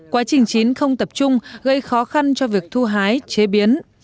quá trình chín không tập trung gây khó khăn cho việc thu hái chế biến